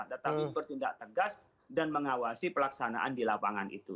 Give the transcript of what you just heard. tetapi bertindak tegas dan mengawasi pelaksanaan di lapangan itu